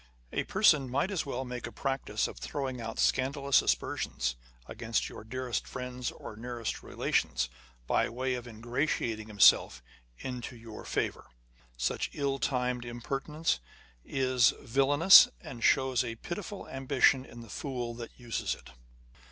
A person might as well make a practice of throwing out scandalous aspersions against your dearest friends or nearest rela tions, by way of ingratiating himself into your favour. Such ill timed impertinence is " villainous, and shows a pitiful ambition in the fool that uses it."